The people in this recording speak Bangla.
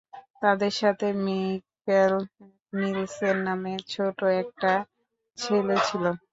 তাদের সাথে মিকেল নিলসেন নামে ছোট একটা ছেলে ছিলো।